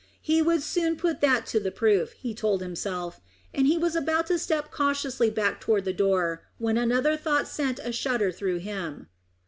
He would soon put that to the proof, he told himself; and he was about to step cautiously back toward the door when another thought sent a shudder through him.